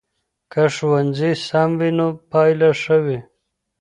که ښوونځی سم وي نو پایله ښه وي.